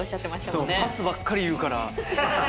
そうパスばっかり言うから。